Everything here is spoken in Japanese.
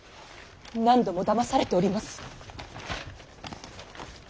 何度もだまされております。